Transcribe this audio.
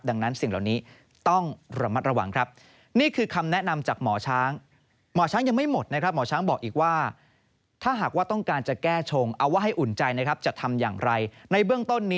ดังนั้นสิ่งเหล่านี้ต้องระมัดระวังครับนี่คือคำแนะนำจากหมอช้างหมอช้างยังไม่หมดนะครับ